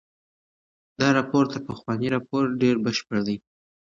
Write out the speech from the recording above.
دا راپور تر پخواني راپور ډېر بشپړ دی.